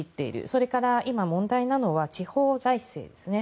それから今、問題なのは地方財政ですね。